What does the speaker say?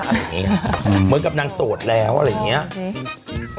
อันนี้เหมือนกับนางโสดแล้วอะไรอย่างเงี้ยอืม